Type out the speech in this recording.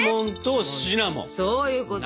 そういうこと。